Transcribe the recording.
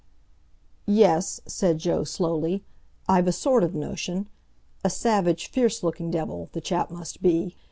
"Yes," said Joe slowly. "I've a sort of notion—a savage, fierce looking devil, the chap must be.